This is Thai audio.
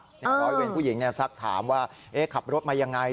ร้อยเวรผู้หญิงสักถามว่าขับรถมายังไง